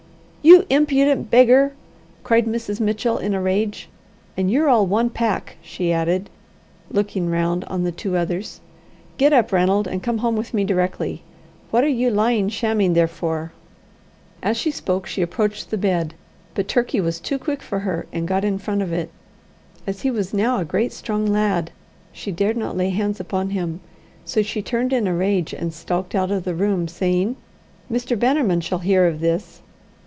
"You impudent beggar!" cried Mrs. Mitchell, in a rage. "And you're all one pack," she added, looking round on the two others. "Get up, Ranald, and come home with me directly. What are you lying shamming there for?" As she spoke, she approached the bed; but Turkey was too quick for her, and got in front of it. As he was now a great strong lad, she dared not lay hands upon him, so she turned in a rage and stalked out of the room, saying, "Mr. Bannerman shall hear of this."